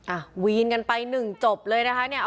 อ่ะวีนกันไปหนึ่งจบเลยนะคะเนี่ย